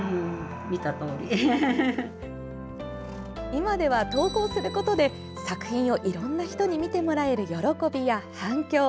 今では、投稿することで作品をいろんな人に見てもらえる喜びや反響